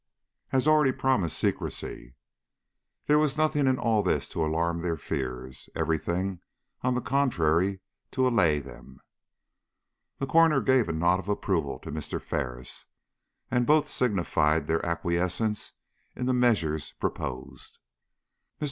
"Has already promised secrecy." There was nothing in all this to alarm their fears; every thing, on the contrary, to allay them. The coroner gave a nod of approval to Mr. Ferris, and both signified their acquiescence in the measures proposed. Mr.